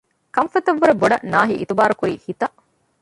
ކަންފަތަށް ވުރެ ބޮޑަށް ނާހި އިތުބާރުކުރީ ހިތަށް